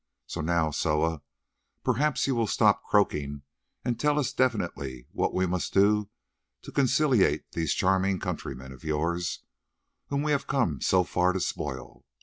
So now, Soa, perhaps you will stop croaking and tell us definitely what we must do to conciliate these charming countrymen of yours, whom we have come so far to spoil.